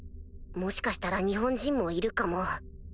もしかしたら日本人もいるかも。